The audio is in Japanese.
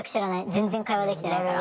全然会話できてないから。